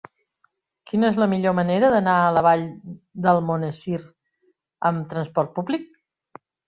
Quina és la millor manera d'anar a la Vall d'Almonesir amb transport públic?